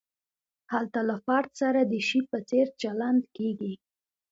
هلته له فرد سره د شي په څېر چلند کیږي.